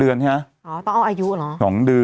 เป็นการกระตุ้นการไหลเวียนของเลือด